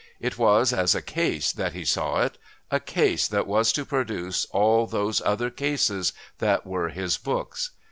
It was as a "case" that he saw it, a "case" that was to produce all those other "cases" that were his books.